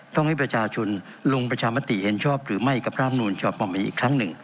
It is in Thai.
ต้องให้ประชาชนลงประชามติเห็นชอบหรือไม่กับร่ามนูลฉบับนี้อีกครั้งหนึ่ง